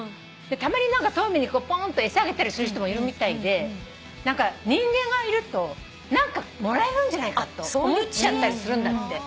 たまに何かトンビにこうぽんと餌あげたりする人もいるみたいで何か人間がいると何かもらえるんじゃないかと思っちゃったりするんだって。